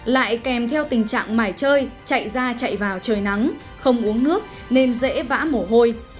lại kèm theo tình trạng mải chơi chạy ra chạy vào trời nắng không uống nước nên dễ vã mổ hôi